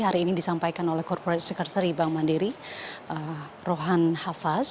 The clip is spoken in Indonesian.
hari ini disampaikan oleh corporate secretary bank mandiri rohan hafaz